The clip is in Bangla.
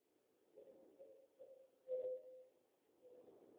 কিন্তু ও বলল, আপনি স্টুডেন্টদেরকে প্রোজেক্টগুলো দেয়ার দিন সে এখানে ছিল না।